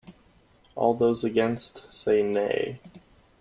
All those against, say Nay.